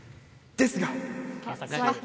ですが。